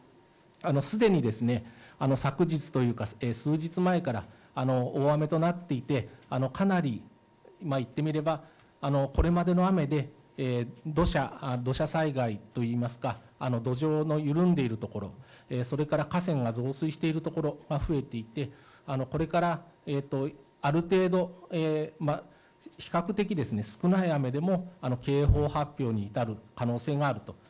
すでに昨日というか数日前から大雨となっていてかなりいってみればこれまでの雨で土砂災害といいますか土壌の緩んでいるところそれから河川が増水しているところが増えていてこれからある程度、比較的少ない雨でも警報発表に至る可能性があると。